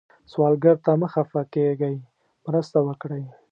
سوالګر ته مه خفه کېږئ، مرسته وکړئ